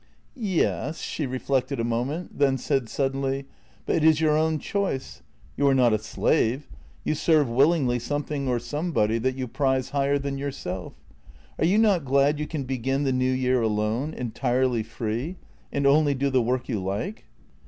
"Ye — s "— she reflected a moment, then said suddenly, " but it is your own choice. You are not a slave; you serve willingly something or somebody that you prize higher than yourself. Are you not glad you can begin the new year alone, entirely free, and only do the work you like?